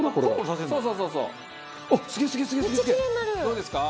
どうですか？